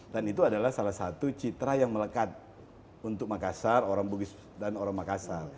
dan itu adalah salah satu citra yang melekat untuk makassar orang bugis dan orang makassar